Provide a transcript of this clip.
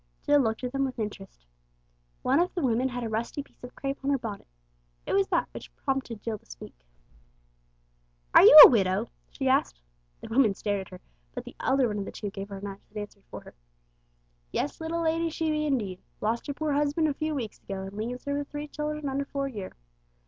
Jill looked at them with interest. One of the women had a rusty piece of crape on her bonnet. It was that which prompted Jill to speak. "Are you a widow?" she asked. The woman stared at her, but the elder one of the two gave her a nudge, then answered for her. "Yes, little lady, she be, indeed; lost her por husban' a few weeks ago, an' leaves 'er with three chillen under four year.